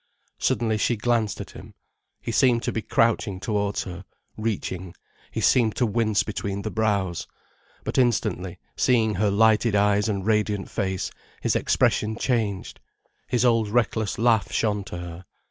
Suddenly she glanced at him. He seemed to be crouching towards her, reaching, he seemed to wince between the brows. But instantly, seeing her lighted eyes and radiant face, his expression changed, his old reckless laugh shone to her.